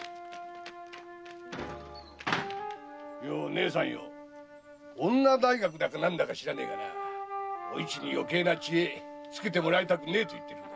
ねえさんよ女大学だか何だか知らねえがおいちに余計な知恵つけてもらいたくねえんだ。